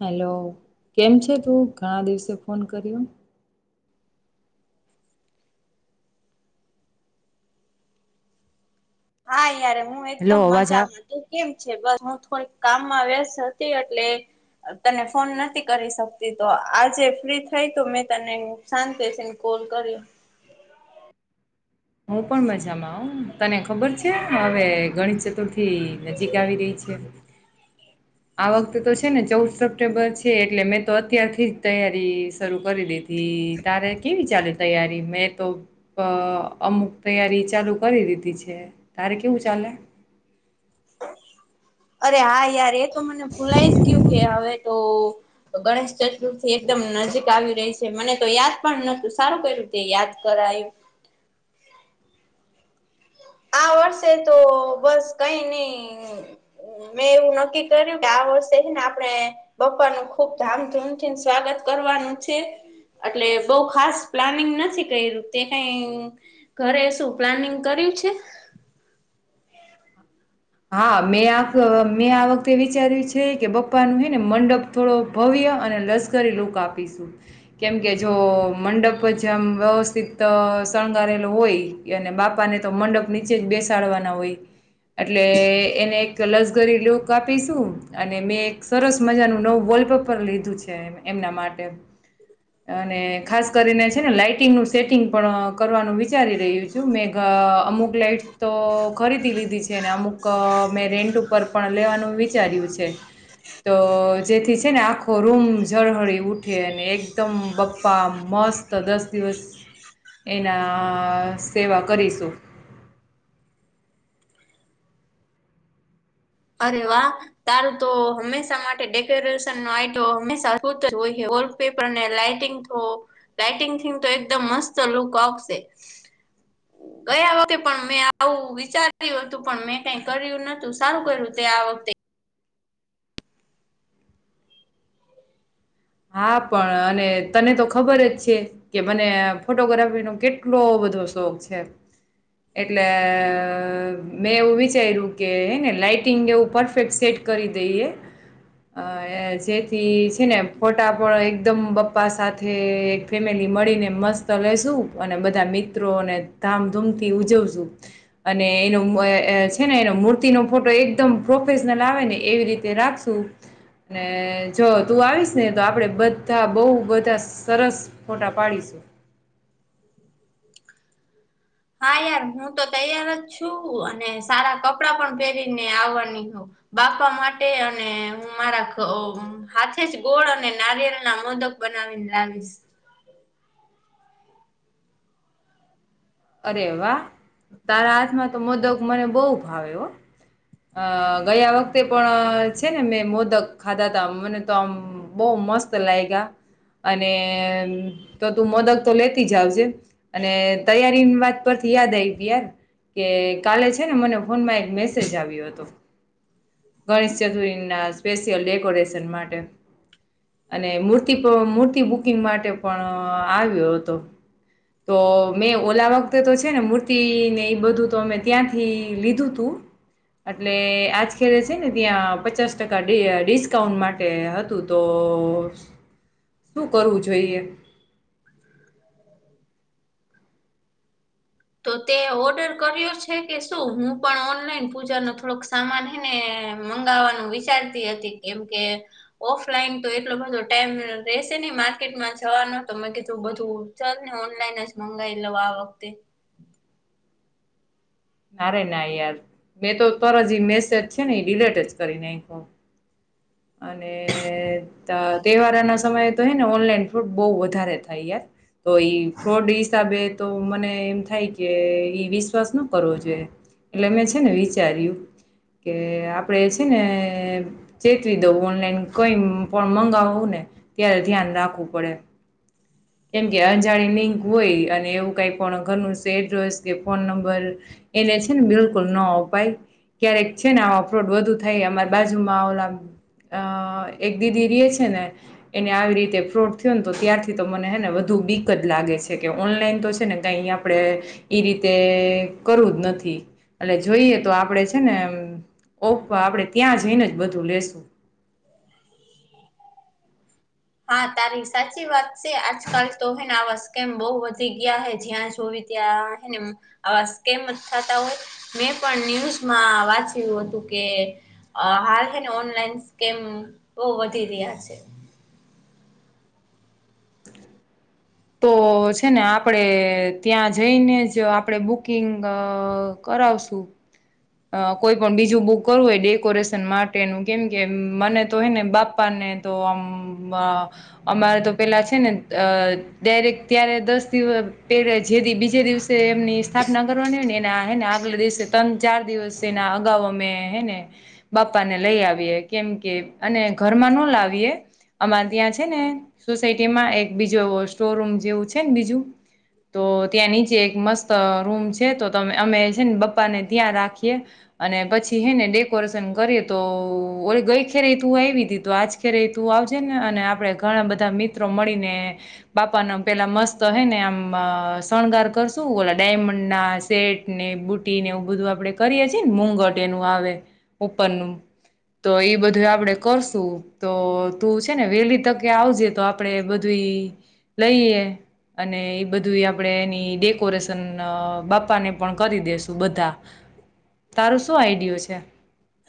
Hello કેમ છે તું ઘણા દિવસે ફોન કર્યો? હા યાર હું હેલો એકદમ અવાજ આ મજામાં તું કેમ. છે? બસ હું થોડીક કામમાં વ્યસ્ત હતી એટલે તને ફોન નથી કરી શકતી તો આજે ફ્રી થઈ તો મેં તને શાંતિથી કો કોલ કર્યો. હું પણ મજામાં અ તને ખબર છે હવે ગણેશ ચતુર્થી નજીક આવી રહી છે. [inaudible] આ વખતે તો છે ને ચૌદ સપ્ટેમ્બર છે એટલે મેં તો અત્યારથી જ તૈયારી શરૂ કરી દીધી. દીધી. તારે કેવી ચાલે તૈયારી મેં તો પ અમુક તૈયારી ચાલુ કરી દીધી છે. તારે કેવું ચાલે? અરે હા યાર એ તો મને ભૂલાય જ ગયું કે હવે તો ગણેશ ચતુર્થી એકદમ નજીક આવી રહી છે મને તો યાદ પણ નતું સારું ક્યરૂ તે યાદ કર કરાયવુ. આ વર્ષે તો બસ કઈ ની મેં એવું નક્કી કર્યું કે આ વર્ષે છેને આપડે બપ્પાનું ખુબ ધામધૂમથી અને સ્વાગત કરવાનું છે. એટલે બઉ ખાસ પ્લાનિંગ નથી કર્યું તે કઈ ઘરે શું પ્લાનિંગ કર્યું છે? હા મેં આ મેં આ વખતે વિચાર્યું છે કે બપ્પાનું છે ને મંડપ થોડો ભવ્ય ત્યોં અને લશ્કરી લુક આપીશું, કેમકે જો મંડપ જેમ વ્યવસ્થિત અ શણગારેલુ હોય, અને બાપા ને તો મંડપ નીચે જ બેસાડવાના હોય. [inaudible] એટલે એને એક લસગરી લુક આપીશું, અને મેં એક સરસ મજા નુ નવુ વર્લ્ડકપ ઉપર લીધું છે એમ એમના માટે અને ખાસ કરીને છે ને લાાઈટિંગ નું સેટિંગ પણ કરવાનું વિચારી રહ્યું છું, મે ઘ અ અમુક લાઈટ તો ખરીદી લીધી છ છે ને અમુક મેં રેન્ટ ઉપર પણ લેવાનું વિચાર્યું છે. તો જેથી છે ને આખો રૂમ ઝળહળી ઉઠે, અને એકદમ બપ્પા મો મસ્ત દસ દિવસ એના સેવા કરીશું [inaudible] અરે વાહ તારું તો હંમેશા માટે ડેકોરેશન નો આઈટ હમેશા [unintelligible] વોલપેપર ને લાાઈટિંગ થો લાાઈટિંગ થીન તો એકદમ મસ્ત લુક આવશે. [inaudible] ગયા વખતે પણ મેં આવું વિચાર્યું હતું પણ મેં કઈ કર્યું નતું સારું કર્યું તે આ વખતે હા પણ અને તને તો ખબર જ છે કે મને ફોટોગ્રાફી નો કેટલો બધો શોખ છે. એટલે અ મેં એવું વિચાર્યું કે ને લાઈટિંગ એવું પરફેક્ટ સેટ કરી દઈએ અ એ જેથી છે ને ફોટા પણ એકદમ બપ્પા સાથે એક ફેમિલી મળીને મસ્ત લેસું અને બધા મી મિત્રોને ધામધૂમથી ઉજવશું અને એનો મ અ છે ને એનો મૂર્તિ નો ફો ફોટો એકદમ પ્રોફેશનલ આવે ને એવી રીતે રાખશું, ને જો તું આવીશ ને તો આપણેે બધા બહુ બધા સરસ ફોટા પાડીશું. [unintelligible] હા યાર હું તો તૈયાર જ છું, અને સારા કપડાં પણ પહેરીને આવવાની હો બાપા માટે અને હું મારા ખ હાથે જ ગોળ અને નાિયેળ ના મો દક બનાવી ને લાવીશ. અરે વાહ તારા હાથમાં તો મોદક મને બહુ ભાવે હો. અ ગયા વખતે પણ છે ને મેં મોદક ખાધા ત મને તો આમ બહુ મસ્ત લાઇગ્યા અને તો તું મોદક તો લેતી જાવજે, અને તૈયારી પિન વાત પરથી યાદ આવી યાર કે કાલે છે ને મને ફોનમાં એક મેસેજ આવ્યો હતો. ગણેશ ચતુર્ ના સ્પેશિયલ ડેકોરેશન માટે અને મૂર્તિ પ્રો મૂર્તિ બુકિંગ માટે પણઅ આવ્યો હતો. તો મેં ઓલા વ કતે તો છે ને મૂર્તિ ને એ બધું તો અમે ત્યાંથી લીધું તું એટલે આજ રે છે ને ત્યાં પચાસ ટકા ડી ડિસ્કાઉન્ટ માટે હતું તો શું કરવું જોઈએ? તો તે ઓર્ડર કર્યો છે કે શું? હુ પણ ઓનલાઈન પૂજા ન થોડોક સામાન હે ને મંગાવવાનું વિચારતી હતી કેમ કે ઓફલાઈન તો એટલો બધો ટાઈમ રેશે ને માર્કેટમાં જવાનો તો મેં કીધું બધું ચલને ઓનલાઈન જ મંગાવી લઉ આ વખતે નારે ના યાર મેં તો તરજ જી મેસેજ છે ને એ ડિલેટજ કરી નાંખ્યું અને ત તહેવારોના સમયે તો હેને ઓનલાઈન ફ્રુડ બહુ વધારે થાય યાર. તોઈ ફ્રોડ ડીસાબે તો મને એમ થાય કે ઈ વિશ્વાસ ન કરવો જોયે એટલે મેં છે ને વિચાર્યું કે આપડે છે નેએ ચે તો ઓનલાઈન કઈ પણ મંગાવું ને ત્યારે ધ્યાન રાખવું પડે. કેમ કે અંજાણી લિંક હોય અને એવું કઈ પણ ઘરનું એડ્રેસ કે ફોન નંબર. એને છે ને બિલકુલ ન અપાય. ક્યારેક છે ને અફરોડ વધુ થાય અમારા બાજુમાં ઓમ. અ એક દીદી ર છે ને, એને આવી રીતે ફ્રોટ થયો ને તો ત્યારથી તો મને વધું બીક જ લાગે છે કે ઓનલાઈન તો છે ને કઈ આપડે, ઈ રીતે કરું જ નથી. એટલે જોઈએ તો આપડે છે ને ઓપ આપણેે ત્યાં જઈને જ બધું લેશું. [inaudible] હા તારી સાચી વાત છે આજકાલ તો હેને આવા સ્કેમ બહુ વધી ગયા હે જ્યાં જો થ હોય મેં પણ ન્યૂઝમાં વાંચ્યું હતું. હ ઓનલાઇન બોવ વધી રહ્યા છે. તો છે ને આપડે ત્યાં જઈને જ આપણેે બુકિંગ કરાવસું. અ કોઈ પણ બીજું બુક કરવું હોય ડેકોરેશન માટેનું કેમ કે મને તો હેને બાપા ને અમારે, તો પેલા છે ને ડરેક ત્યારે દસ દિવસ પ જે બીજે દિવસે એમની સ્થાપના કરવાની હોય ને એનાને આગલા દિવસે તંગ ચાર દિવસ એના અગાઉ અમે હેને, બાપાને લઈ આવીએ કેમ કે અને ઘરમાં ન લાવીએ. અમારે ત્યાં છે ને, સોસાયટીમાં એક બીજો એ સ્ટોર રૂમ જેવું છે ને બીજું. તો ત્યાં નીચે એક મસ્ત રૂમ છે તો તમે અમે છે ને પપ્પા ને- ત્યાં રાખીએ, અને પછી હે ને ડેકોરેશન કરીએ તો ઓરે ગઈ ખે ર તું આવી આજ ખેરે તું આવજે ને અને આપડે ઘણા બધા મિત્રો મળીને, બાપા ના પેલા મસ્ત મસ્ત હ ને આમ શણગાર કરશું ઓલા ડાયમંડ ના સેટ ને બુટી ને. બધું આપડણે કરીએ છીએ ને મુંગટ એનું આવે, ઉપરનું. તો એઈ બધું આપડે કરશું, તો તું છેને વેલી તકે આવજે તો આપડે બધું લઈએ. અને એ બધું આપણેે એની ડેકોરેશન બાપાને પણ કરી દેસું બધા. તારું શું આઈડિયો છે?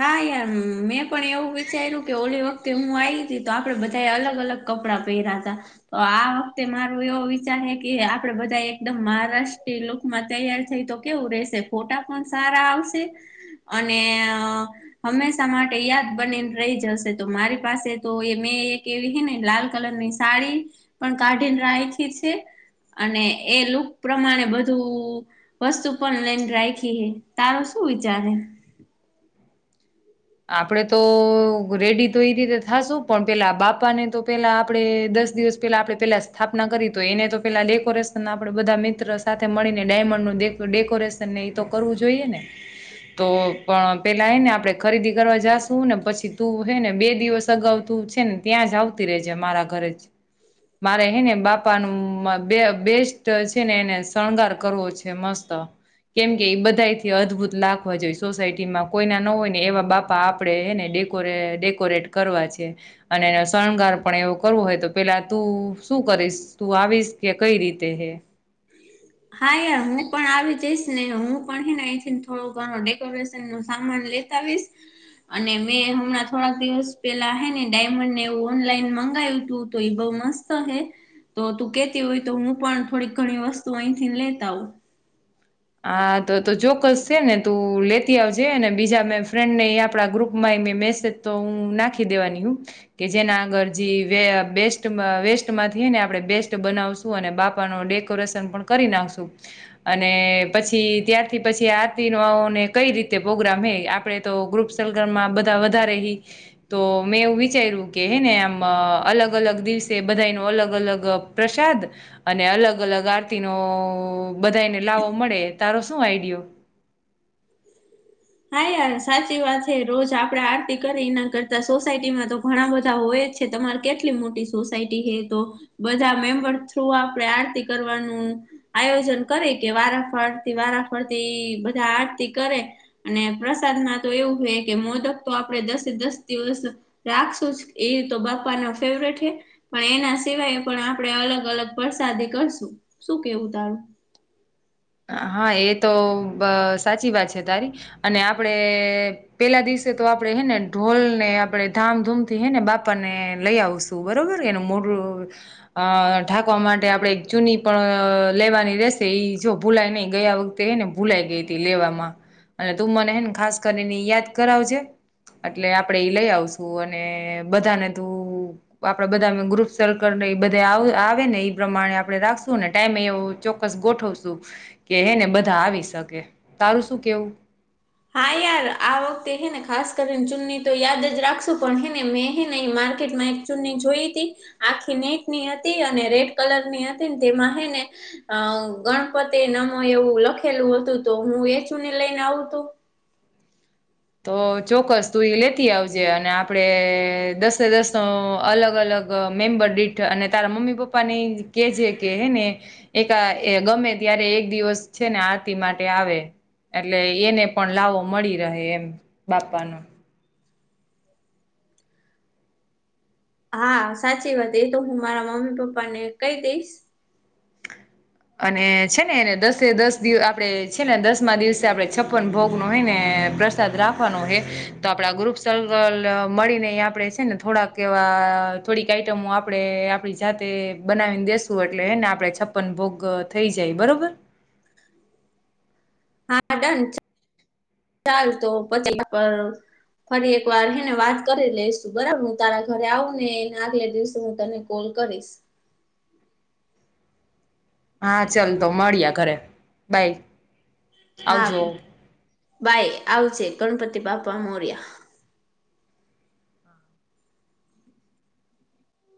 હા યાર મેં પણ એવું વિચાર્યું કે વખતે હું હતી તો આપડે બધાએ અલગ અલગ કપડા પેયરાતા, તો આ વખતે માર એવો વિચાર હે કે આપડે બધા એકદમ મહારાષ્ટ્ર લુકમાં તૈયાર થઈ તો કેવું રેશે ફોટા પણ સારા આવશે, અને અ હંમેશા માટે યાદ બનીને રઈ જશે તો મારી પાસે તો એ મેં એક એવી હેને. લાલ કલરની સાડી, પણ કાઢીને રાખી છે. અને એ લુક પ્રમાણે બધું, વસ્તુ પણ લઈને રાયખી હે, તારે હું વિચારે હે? આપડે તો રેડી તો એઈ રીતે થાશું પણ પેલા બાપા ને તો પેલા આપડણે દ દસ દિવસ પહેલા આપણે પેલા સ્થાપના કરી તો એને તો પેલા ડેકોરેશન આપણે બધા મિત્ર સાથે મળીને ડાયમંડ ડેકોરેશન ને એ કરવું જોઈએ ને, તો પણ પેલાને આપ ખરીદી કરવા જાશું ને પછી તું હે ને બે દિવસ અગાઉ તું છે ને ત્યાં જ આવતી રેજે મારા ઘરે. ઘરે જ. મારે હે ને બાપાનું બે બેસ્ટ છે ને એને શણગાર કરવો છે મસ્ત. કેમકે એ બધાથી અદભુત લાગવા જોય સોસાયટી માં કોઈના ન હોય. એવા બાપા આપડેનેે ડેકોરેટ કરવા છે, અને શણગાર પણ એવો કર હોય તો પેલા તું શું કરીશ તું આવીશ કે કઈ રીતે હે. હા યાર હું પણ આવી જઈશ ને હું પણ હે ને અહીંથીને થોડો ઘણો ડેકોરેશન નો સામાન લેતા આવીસ. અને મેં હમણાં થોડાક દિવસ પેલા હે ને ડાયમંડ ને એવું ઓનલાઈન મંગાવ્યુતું તો એ બો મસ્ત હે, તો તું કેતી હોય તો હું પણ થોડીક ઘણી વ તું અહીંથી લેતા આવું. આ તો તો ચોક્કસ સે ને તું લેતી આવજેને બીજા મેં ફ્રેન્ડ ને આપડા ગ્રુપ માં મે મેસેજ તો હું નાખી દેવાની હુ, કે જેના આગળ જે બેસ્ટજે વેસ્ટ ને માંથી આપણે બેસ્ટ બનાવશું અને બાપા નો ડેકોરેશન પણ કરી નાખશું, અને પછી ત્યારથી પછી આરતી નો ને કઈ રીતે પ્રોગ્રામ હે આપડે તો ગ્રુપ [unintelligible] બધા વધારે તો મેં એવું વિચાર્યું કે હેને આમ અલગ અલગ દિવસે બધાંએ નો અલગ-અલગ પ્રસાદ અને અલગ-અલગ આરતી નો બધાને લાવો મળે તારો શું આઈડિયો? હા યાર સાચી વાત છે રોજ આપડે આરતી કરી એના કરતા સોસાયટીમાં તો ઘણા બધા હોય છે. તમારે કેટલી મોટી સોસાયટી હે તો બધા મેમ્બર થ્રુ આપણે આરતી કરવાનું આયોજન કરે કે વારાફરતી વારાફરતી બધા આરતી કરે અને પ્રસાદમાં તો એવું હોય કે મોદક તો આપડે દસે દસ દિવસ રાખશું જ એ તો બાપાના ફેવરેટ હે પણ એના સિવાય પણ આપણેે અલગ-અલગ પ્રસાદી કરશું શું કેવું તારું? હા એ તો બ સાચી વાત છે તારી અને આપડે પેલા દિવસે તો આપડે હે ને ઢોલ ને આપડે ધામધૂમ થી હેને બાપા ને લઈ આવશું બરોબર [unintelligible] મોઢું અ ઢાંકવા માટે આપડે ચૂની પણ લેવાની રેશે ઈ જો ભુલાઈ નઈ ગયા વખતે હે ને ભૂલાઈ ગઈ હતી લેવામાં અને તું મને હેને ખાસ કરીને યાદ કરાવજે એટલે આપડે ઈ લઈ આવશું અને બધાને તું આપડે બધા ગ્રુપ સર્કલ એ બધા આવે આવે ને એ પ્રમાણે આપણે રાખશું ને ટાઈમે એવું ચોક્કસ ગોઠવશું કે હેને બધા આવી શકે તારું શું કેવું? હા યાર આ વખતે હેને ખાસ કરીને ચૂનની તો યાદ જ રાખશું પણ હેને મે હે મા માર્કેટ એક ચુનની જોઈ હતી આખી નેટ ની હતી અને રેડ કલર ની હતી ને તેમાં હે ને અ ગણપતિ નમો એવું લખેલું હતું તો હું એ ચુંનની લઈને આવું તો? તો ચોક્કસ તું એ લેતી આવજે અને આપડે દસે દસ નો અલગ-અલગ મેમ્બર દીઠ અને તારા મમ્મી પપ્પા [unintelligible] કેજે હે ને એક એ ગમે ત્યારે એક દિવસ છે ને આરતી માટે આવે એટલે એને પણ લાવો મળી રહે એમ બાપા નું. હા સાચી વાત એ તો હું મારા મમ્મી-પપ્પા ને કઈ દઈશ અને છે ને એને દસે દસ દિવ આપણે છે ને દસ દિવસે આપડે છપ્પન ભોગ નું હોય ને પ્રસાદ રાખવાનો હે. તો આપડા ગ્રુપ સર્કલ મળીને આપડે છે ને થોડાક એવા થોડીક આઈટમો આપણે આપણી જાતે બનાવીને દેસું એટલે હને આપણેે છપ્પન ભોગ થઈ જાય બરોબર? હા ડન ચાલ તો પછી કરુ ફરી એક વાર હને વાત કરી લઈશું બરાબર હું તારા ઘરે આવું ને એને આગલા દિવસે હું તને કોલ કરીશ. હા ચાલ તો મળ્યા ઘરે બાય. હા આવજો બાય આવજે ગણપતિ બાપા મોર્યા.